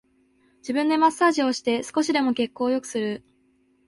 自分でマッサージをして少しでも血行を良くする